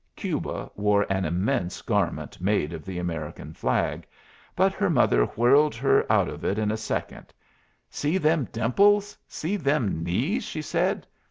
Cuba wore an immense garment made of the American flag, but her mother whirled her out of it in a second. "See them dimples; see them knees!" she said.